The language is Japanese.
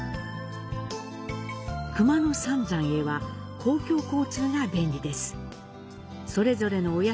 熊野三山へは公共交通が便利です。